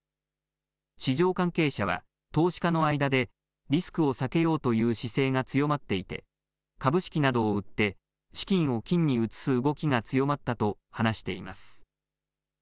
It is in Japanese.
市場関係者は投資家の間でリスクを避けようという姿勢が強まっていて、株式などを売って資金を金に移す動きが強まったと話しています。